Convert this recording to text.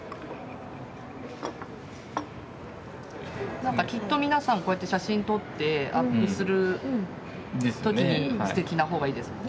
なんかきっと皆さんこうやって写真撮ってアップする時に素敵な方がいいですもんね。